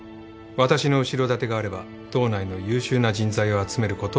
私の後ろ盾があれば道内の優秀な人材を集めることは可能です